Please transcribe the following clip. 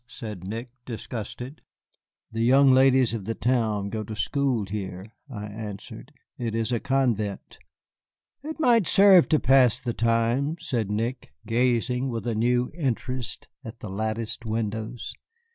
said Nick, disgusted. "The young ladies of the town go to school here," I answered; "it is a convent." "It might serve to pass the time," said Nick, gazing with a new interest at the latticed windows.